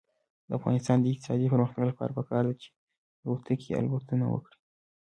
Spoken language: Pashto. د افغانستان د اقتصادي پرمختګ لپاره پکار ده چې الوتکې الوتنې وکړي.